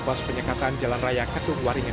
pos penyekatan jalan raya ketubuaringan